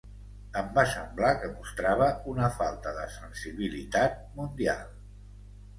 Em va semblar que mostrava una falta de sensibilitat mundial.